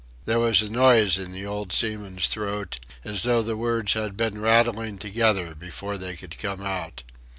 There was a noise in the old seaman's throat, as though the words had been rattling together before they could come out.